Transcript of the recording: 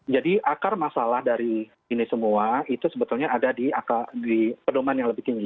jadi akar masalah dari ini semua itu sebetulnya ada di pedoman yang lebih tinggi